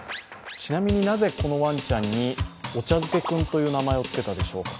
ちなみになぜこのワンちゃんにおちゃづけ君という名前をつけたでしょうか？